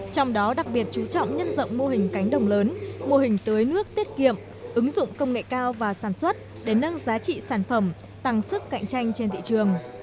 trong đó đặc biệt chú trọng nhân rộng mô hình cánh đồng lớn mô hình tưới nước tiết kiệm ứng dụng công nghệ cao và sản xuất để nâng giá trị sản phẩm tăng sức cạnh tranh trên thị trường